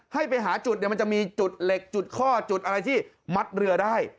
ให้ไปหาจุดเนี่ยมันจะมีจุดเหล็กจุดข้อจุดอะไรที่มัดเรือได้